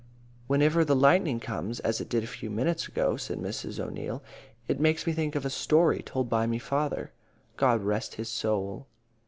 "Wheniver the lightning comes as it did a few minutes ago," said Mrs. O'Neil, "it makes me think of a story told by me father, God rest his sowl.